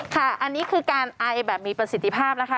ค่ะอันนี้คือการไอแบบมีประสิทธิภาพนะคะ